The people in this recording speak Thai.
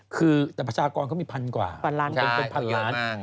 คือแต่ประชากรเขามี๑๐๐๐กว่า๑๐๐๐ล้านคนเป็น๑๐๐๐ล้าน